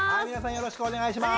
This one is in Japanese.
よろしくお願いします。